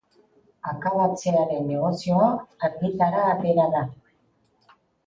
Akabatzearen negozioa argitara atera da.